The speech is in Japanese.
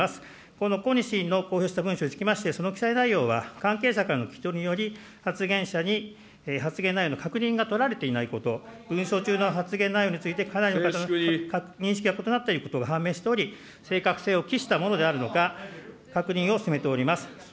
この小西委員の公表した文書につきまして、その記載内容は関係者からの聞き取りにより、発言者に発言内容の確認が取られていないこと、文書中の発言内容についてかなりの方の認識が異なっていることが判明しており、正確性をきしたものであるのか、確認を進めております。